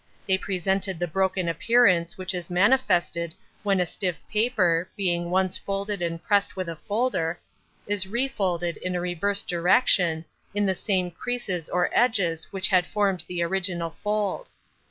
They presented the broken appearance which is manifested when a stiff paper, having been once folded and pressed with a folder, is refolded in a reversed direction, in the same creases or edges which had formed the original fold.